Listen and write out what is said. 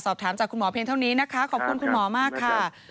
สอบถามจากคุณหมอเพียงเท่านี้นะคะขอบคุณคุณหมอมากค่ะ